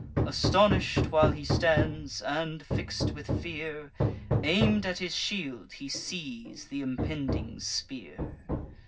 Astonish'd while he stands, and fix'd with fear, Aim'd at his shield he sees th' impending spear.